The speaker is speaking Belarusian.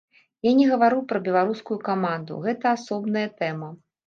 Я не гавару пра беларускую каманду, гэта асобная тэма.